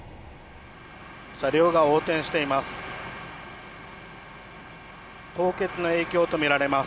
車両が横転しています。